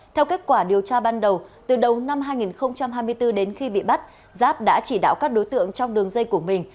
theo kết quả điều tra ban đầu từ đầu năm hai nghìn hai mươi bốn đến khi bị bắt giáp đã chỉ đạo các đối tượng trong đường dây của mình